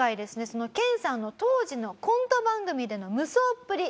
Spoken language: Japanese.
その研さんの当時のコント番組での無双っぷり